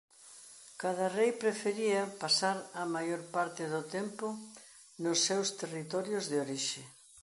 Cada rei prefería pasar a maior parte do tempo nos seus territorios de orixe.